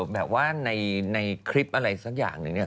แบบว่าในคลิปอะไรสักอย่างหนึ่งเนี่ย